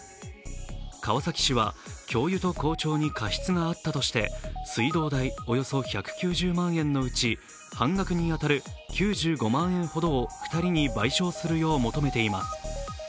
川崎市は教諭と校長に過失があったとして、水道代およそ１９０万円のうち半額に当たる９５万円ほどを２人に賠償するよう求めています。